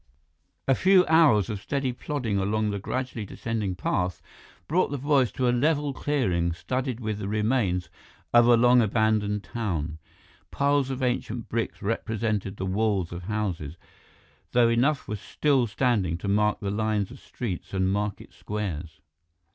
A few hours of steady plodding along the gradually descending path brought the boys to a level clearing studded with the remains of a long abandoned town. Piles of ancient bricks represented the walls of houses, though enough were still standing to mark the lines of streets and market squares.